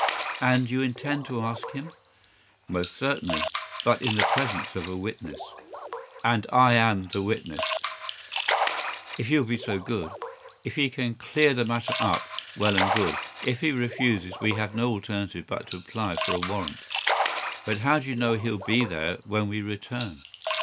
"And you intend to ask him?" "Most certainly—but in the presence of a witness." "And I am the witness?" "If you will be so good. If he can clear the matter up, well and good. If he refuses, we have no alternative but to apply for a warrant." "But how do you know he'll be there when we return?"